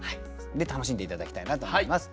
楽しんで頂きたいなと思います。